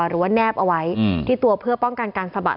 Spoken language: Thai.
หรือว่าแนบเอาไว้ที่ตัวเพื่อป้องกันการสะบัด